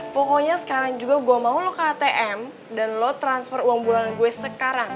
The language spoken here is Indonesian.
pokoknya sekarang juga gue mau lo ke atm dan lo transfer uang bulanan gue sekarang